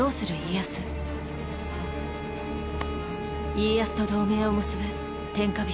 家康と同盟を結ぶ天下人